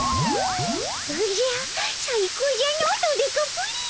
おじゃ最高じゃのドデカプリン。